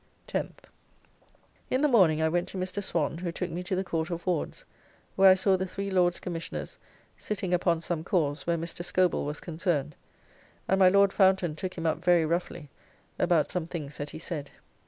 10th. In the morning I went to Mr. Swan, who took me to the Court of Wards, where I saw the three Lords Commissioners sitting upon some cause where Mr. Scobell was concerned, and my Lord Fountaine took him up very roughly about some things that he said.